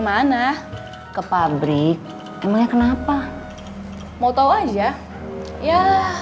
bank edy sekarang tergantung sama kita